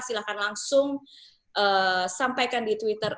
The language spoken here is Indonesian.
silahkan langsung sampaikan di twitter